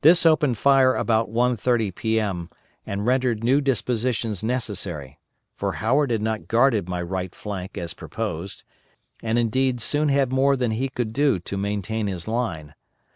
This opened fire about 1.30 P.M., and rendered new dispositions necessary; for Howard had not guarded my right flank as proposed, and indeed soon had more than he could do to maintain his line.